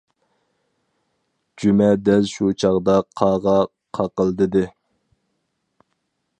-جۈمە دەل شۇ چاغدا قاغا قاقىلدىدى.